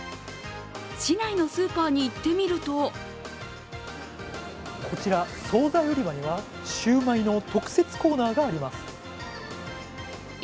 市内のスーパーに行ってみるとこちら、総菜売り場にはシューマイの特設コーナーがあります。